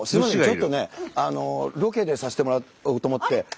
ちょっとねロケでさせてもらおうと思って。